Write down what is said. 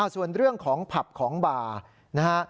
ส่วนเรื่องของผับของบาร์นะฮะ